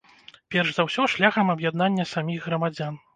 Перш за ўсё, шляхам аб'яднання саміх грамадзян.